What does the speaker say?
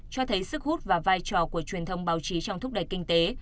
cho thấy sức hút và vai trò của truyền thông báo chí trong thúc đẩy kinh tế